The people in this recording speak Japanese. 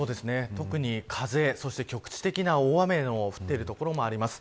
特に風そして局地的な大雨が降っている所もあります。